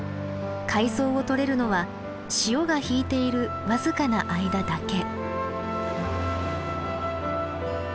海藻を採れるのは潮が引いている僅かな間だけ。